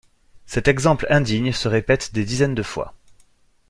Cet exemple indigne se répète des dizaines de fois.